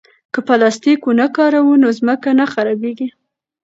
که پلاستیک ونه کاروو نو ځمکه نه خرابېږي.